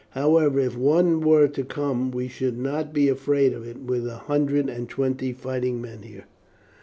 However, if one were to come we should not be afraid of it with a hundred and twenty fighting men here."